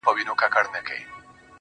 شېخ د خړپا خبري پټي ساتي